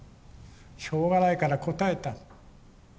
しょうがないから答えた。